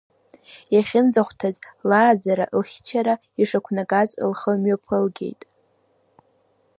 Иахьынӡахәҭаз лааӡара-лыхьчара ишақәнагоз лхы мҩаԥылгеит.